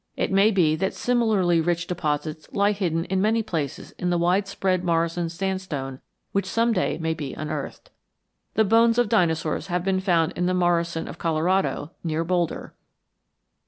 It may be that similarly rich deposits lie hidden in many places in the wide spread Morrison sandstone which some day may be unearthed. The bones of dinosaurs have been found in the Morrison of Colorado near Boulder.